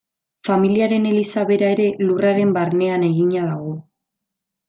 Familiaren eliza bera ere lurraren barnean egina dago.